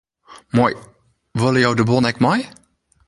Moai, wolle jo de bon ek mei?